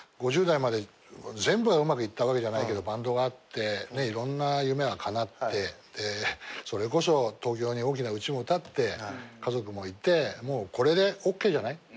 ５０代まで全部がうまくいったわけじゃないけどバンドがあっていろんな夢がかなってそれこそ東京に大きなうちも建って家族もいてもうこれでＯＫじゃない？